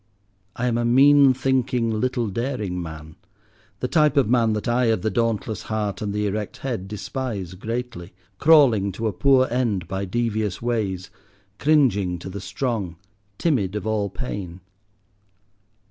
I am a mean thinking, little daring man—the type of man that I of the dauntless heart and the erect head despise greatly—crawling to a poor end by devious ways, cringing to the strong, timid of all pain.